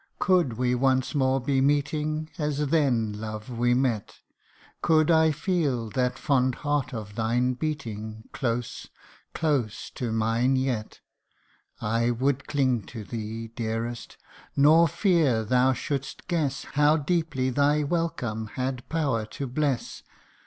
could we once more be meeting, As then, love, we met : Could I feel that fond heart of thine beating, Close, close, to mine yet : I would cling to thee, dearest, nor fear thou shouldst guess How deeply thy welcome had power to bless.